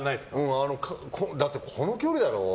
だって、この距離だろ。